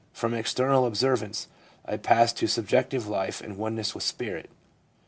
From external observance I passed to subjective life and oneness with Spirit/ M.